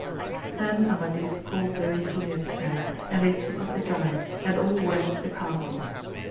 Then Amadis called those whom he had spared and they took up the giant, and all went to the castle.